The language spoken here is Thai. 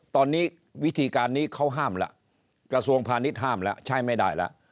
ตอนนี้วิธีการนี้เขาห้ามแล้วกระทรวงพาณิชยห้ามแล้วใช้ไม่ได้แล้ว